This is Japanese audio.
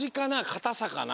かたさかな？